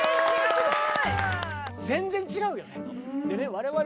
すごい！